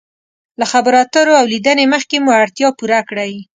له خبرو اترو او لیدنې مخکې مو اړتیا پوره کړئ.